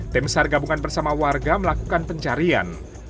tim sar gabungan bersama warga melakukan pencarian